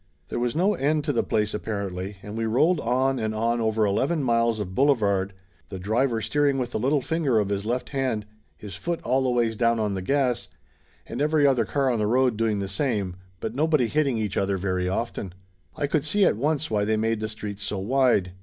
There was no end to the place, apparently, and we rolled on and on over eleven miles of boulevard, the driver steering with the little finger of his left hand, his foot all the ways down on the gas, and every other car on the road doing the same, but no 74 Laughter Limited 75 body hitting each other very often. I could see at once why they made the streets so wide.